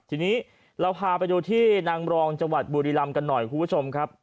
ทีนี้เราพาไปดูที่นางรองจังหวัดบุรีรำกันหน่อยคุณผู้ชมครับ